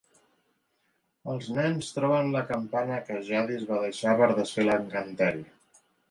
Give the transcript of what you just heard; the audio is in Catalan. Els nens troben la campana que Jadis va deixar per desfer l'encanteri.